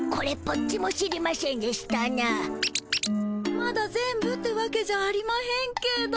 まだ全部ってわけじゃありまへんけど。